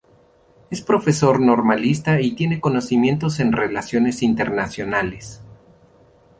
Es profesor normalista y tiene conocimientos en relaciones internacionales.